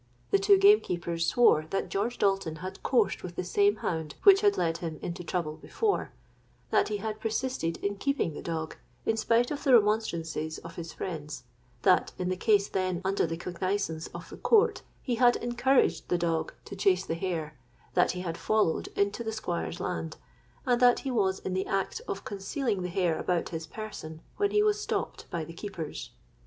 The two gamekeepers swore that George Dalton had coursed with the same hound which had led him into trouble before—that he had persisted in keeping the dog in spite of the remonstrances of his friends—that in the case then under the cognisance of the court, he had encouraged the dog to chase the hare—that he had followed into the Squire's land—and that he was in the act of concealing the hare about his person when he was stopped by the keepers.